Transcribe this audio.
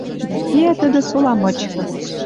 Дӓ кеӓ тӹдӹ сола мычкы